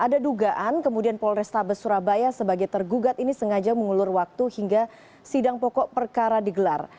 ada dugaan kemudian polrestabes surabaya sebagai tergugat ini sengaja mengulur waktu hingga sidang pokok perkara digelar